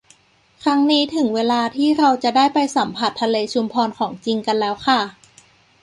ครั้งนี้ถึงเวลาที่เราจะได้ไปสัมผัสทะเลชุมพรของจริงกันแล้วค่ะ